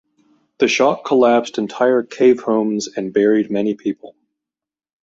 The shock collapsed entire cave homes and buried many people.